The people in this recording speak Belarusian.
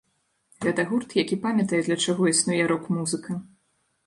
Гэта гурт, які памятае, для чаго існуе рок-музыка.